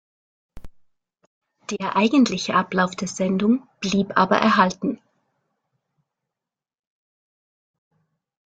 Der eigentliche Ablauf der Sendung blieb aber erhalten.